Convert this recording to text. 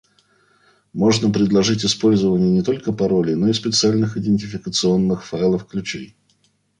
Можно предложить использование не только паролей, но и специальных идентификационных файлов-ключей